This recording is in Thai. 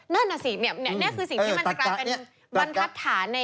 นั่นอ่ะสิเนี่ยนี่คือสิ่งที่มันจะกลายเป็นบรรทัดฐาน